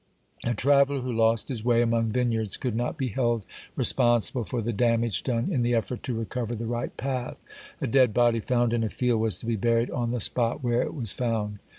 A traveler who lost his way among vineyards could not be held responsible for the damage done in the effort to recover the right path. A dead body found in a field was to be buried on the spot where it was found.